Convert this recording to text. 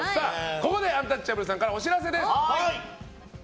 ここでアンタッチャブルさんからお知らせです。